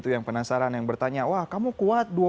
yang penasaran yang bertanya wah kamu kuat